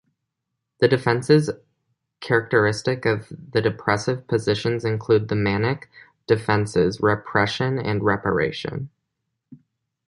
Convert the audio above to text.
The defenses characteristic of the depressive position include the manic defenses, repression and reparation.